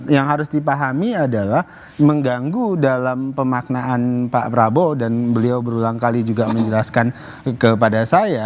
yang harus dipahami adalah mengganggu dalam pemaknaan pak prabowo dan beliau berulang kali juga menjelaskan kepada saya